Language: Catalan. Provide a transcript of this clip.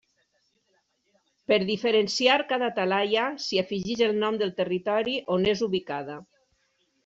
Per diferenciar cada talaia s'hi afegeix el nom del territori on és ubicada.